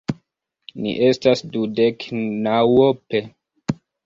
Ni estas dudek naŭope.